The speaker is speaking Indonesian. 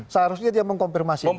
seharusnya dia mengkonfirmasi